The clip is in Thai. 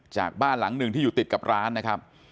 บ้านหลังหนึ่งที่อยู่ติดกับร้านนะครับ